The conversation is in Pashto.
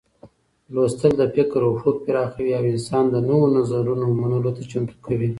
لوستل د فکر افق پراخوي او انسان د نوو نظرونو منلو ته چمتو کوي.